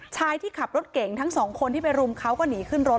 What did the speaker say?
ที่ขับรถเก่งทั้งสองคนที่ไปรุมเขาก็หนีขึ้นรถ